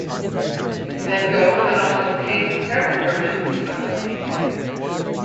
Van Gogh went on to paint several versions of this painting.